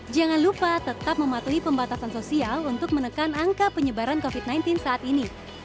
jangan lupa tetap mematuhi pembatasan sosial untuk menekan angka penyebaran covid sembilan belas saat ini